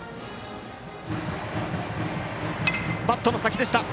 バットの先でした。